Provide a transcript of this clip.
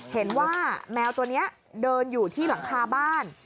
เห็นว่าแมวตัวนี้เดินอยู่ที่หลังคาบ้าน